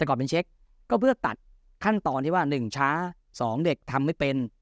แต่ก่อนเป็นเช็คก็เพื่อตัดขั้นตอนที่ว่า๑ช้า๒เด็กทำไม่เป็น